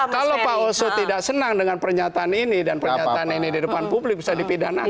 kalau pak oso tidak senang dengan pernyataan ini dan pernyataan ini di depan publik bisa dipidanakan